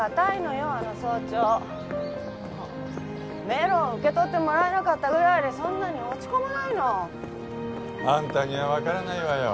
メロン受け取ってもらえなかったぐらいでそんなに落ち込まないの！あんたにはわからないわよ